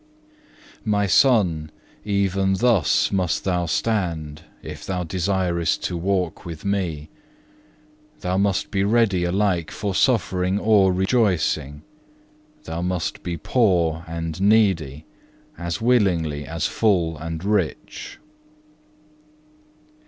3. "My Son! even thus thou must stand if thou desirest to walk with Me. Thou must be ready alike for suffering or rejoicing. Thou must be poor and needy as willingly as full and rich."